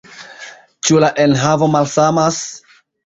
Ĉu la enhavo malsamas?